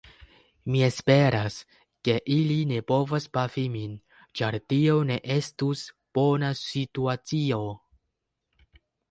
Mi esperas, ke ili ne povas pafi min, ĉar tio ne estus bona situacio.